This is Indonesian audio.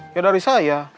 ya dari saya